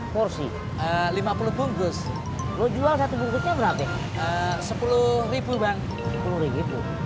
porsi lima puluh bungkus lo jual satu bungkusnya berapa sepuluh bang